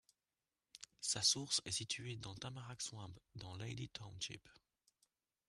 Sa source est située dans Tamarack Swamp, dans Leidy Township.